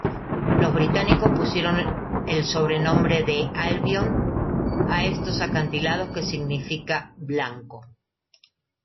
Los británicos pusieron el sobrenombre de Albión a estos acantilados, que significa "blanco".